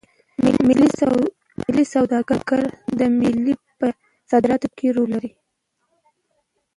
ملي سوداګر د میوو په صادراتو کې رول لري.